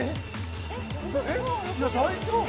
大丈夫？